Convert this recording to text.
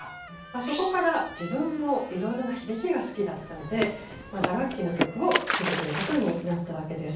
そこから自分もいろいろな響きが好きだったので打楽器の曲を作るということになったわけです。